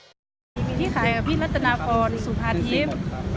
มีที่ขายกับพี่รัฐนาฟรสุภาทีม